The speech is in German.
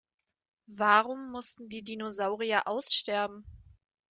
Warum mussten die Dinosaurier aussterben?